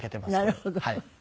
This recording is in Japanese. なるほど。